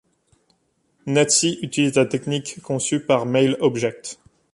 Net-C utilise la technique conçue par Mail Object.